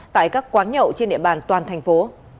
tại các quán nhậu trên địa bàn toàn thành phố